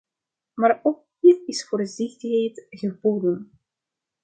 Maar ook hier is voorzichtigheid geboden.